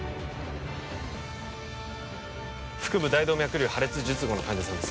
腹部大動脈瘤破裂術後の患者さんです